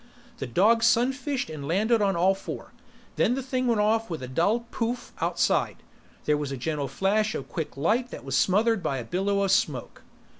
The dog sunfished and landed on all four. Then the thing went off with a dull pouf! outside. There was a gentle flash of quick light that was smothered by a billow of smoke.